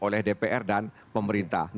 oleh dpr dan pemerintah